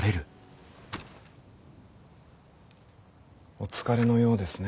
お疲れのようですね。